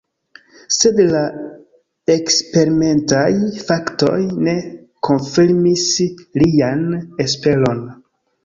Sed la eksperimentaj faktoj ne konfirmis lian esperon.